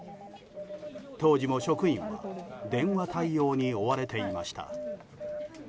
当時も職員は電話対応に追われていました。